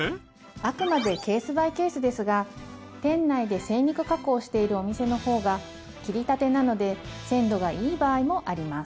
あくまでケース・バイ・ケースですが店内で精肉加工をしているお店の方が切りたてなので鮮度がいい場合もあります。